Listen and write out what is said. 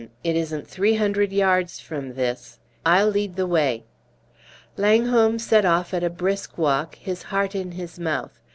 It isn't three hundred yards from this. I'll lead the way." Langholm set off at a brisk walk, his heart in his mouth.